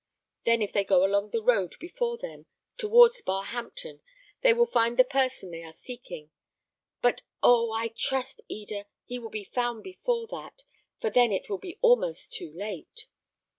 Then, if they go along the road before them, towards Barhampton, they will find the person they are seeking. But, oh! I trust, Eda, he will be found before that, for then it will be almost too late."